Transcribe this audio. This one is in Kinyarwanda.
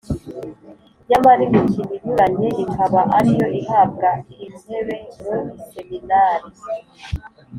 nyamara imikino inyuranye ikaba ariyo ihabwa intebe mu Iseminari.